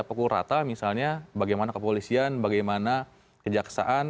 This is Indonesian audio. bisa pekul rata misalnya bagaimana kepolisian bagaimana kejaksaan